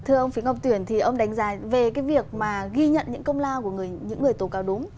thưa ông phí ngọc tuyển thì ông đánh giá về cái việc mà ghi nhận những công lao của những người tố cáo đúng